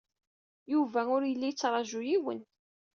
Yuba ur yelli yettṛaju yiwen.